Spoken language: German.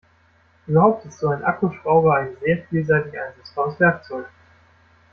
Überhaupt ist so ein Akkuschrauber ein sehr vielseitig einsetzbares Werkzeug.